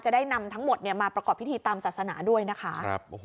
ได้นำทั้งหมดมาประกอบพิธีตามศาสนาด้วยนะคะ